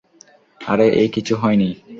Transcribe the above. আরে, এই, কিছু হয়নি।